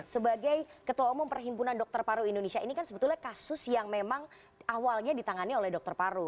sebagai ketua umum perhimpunan dokter paru indonesia ini kan sebetulnya kasus yang memang awalnya ditangani oleh dokter paru